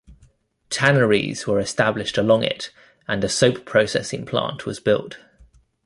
Tanneries were established along it and a soap processing plant was built.